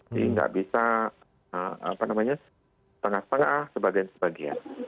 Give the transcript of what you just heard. jadi nggak bisa apa namanya tengah tengah sebagainya